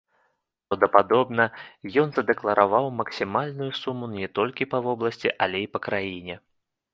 Праўдападобна, ён задэклараваў максімальную суму не толькі па вобласці, але і па краіне.